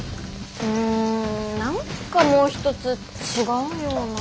うん何かもう一つ違うような。